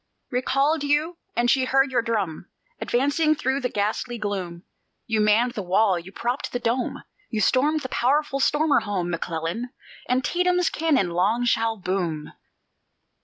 Recalled you; and she heard your drum Advancing through the ghastly gloom. You manned the wall, you propped the Dome, You stormed the powerful stormer home, McClellan! Antietam's cannon long shall boom.